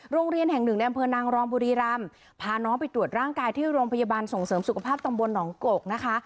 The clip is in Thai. โรงเรียนแห่งหนึ่งในอำเภอนางรองบุรีรำพาน้องไปตรวจร่างกายที่โรงพยาบาลส่งเสริมสุขภาพตำบลหนองกกนะคะ